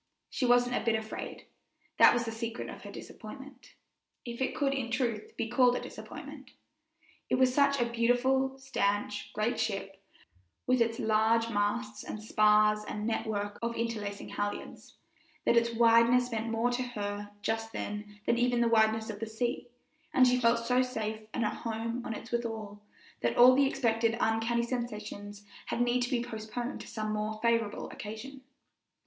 She wasn't a bit afraid; that was the secret of her disappointment, if it could in truth be called a disappointment. It was such a beautiful, stanch, great ship, with its large masts and spars and network of interlacing halyards, that its wideness meant more to her just then than even the wideness of the sea; and she felt so safe and at home on it withal, that all the expected uncanny sensations had need to be postponed to some more favorable occasion.